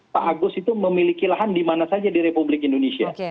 pak agus itu memiliki lahan di mana saja di republik indonesia